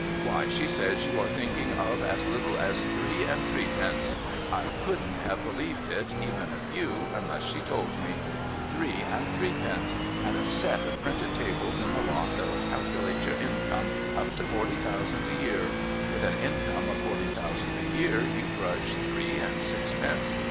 'Why, she says you are thinking of as little as three and three pence ! I couldn't have believed it, even of you, unless she told me. Three and threepence ! And a set of printed tables in the lot that'll calculate your income up to forty thousand a year ! With an income of forty thousand a year, you grudge three and sixpence.